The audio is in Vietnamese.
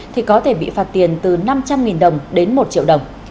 thì có thể bị phạt tiền từ năm trăm linh đồng đến một triệu đồng